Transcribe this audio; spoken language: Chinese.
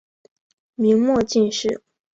明末进士。